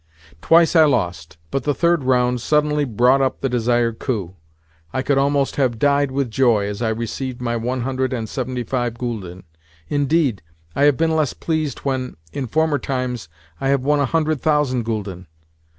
Twice I lost, but the third round suddenly brought up the desired coup. I could almost have died with joy as I received my one hundred and seventy five gülden. Indeed, I have been less pleased when, in former times, I have won a hundred thousand gülden.